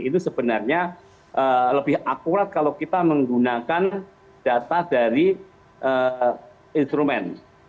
itu sebenarnya lebih akurat kalau kita menggunakan data dari instrumen